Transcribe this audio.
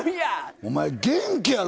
お前、元気やな。